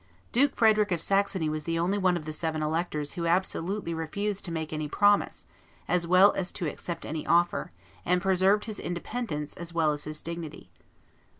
Duke Frederick of Saxony was the only one of the seven electors who absolutely refused to make any promise, as well as to accept any offer, and preserved his independence, as well as his dignity.